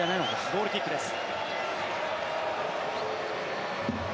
ゴールキックです。